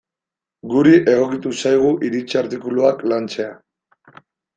Guri egokitu zaigu iritzi artikuluak lantzea.